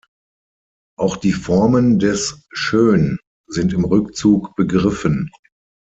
Auch die Formen des "schön" sind im Rückzug begriffen.